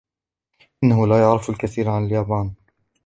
إنه لا يعرف الكثير عن اليابان.